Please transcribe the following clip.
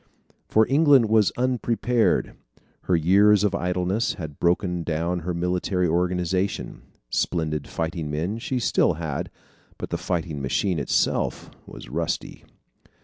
For England was unprepared. Her years of idleness had broken down her military organization. Splendid fighting men she still had, but the fighting machine itself was rusty.